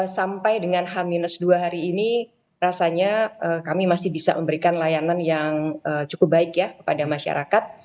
sampai dengan h dua hari ini rasanya kami masih bisa memberikan layanan yang cukup baik ya kepada masyarakat